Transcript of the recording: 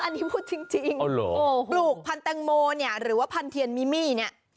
อันนี้พูดจริงปลูกพันธังโมเนี่ยหรือว่าพันเทียนมิมี่เนี่ย